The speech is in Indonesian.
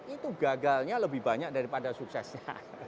itu gagalnya lebih banyak daripada suksesnya